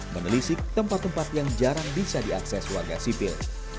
menelisik tempat tempat yang jarang bisa diakses warga sipil